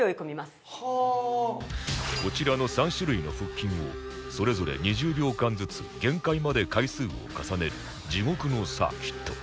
こちらの３種類の腹筋をそれぞれ２０秒間ずつ限界まで回数を重ねる地獄のサーキット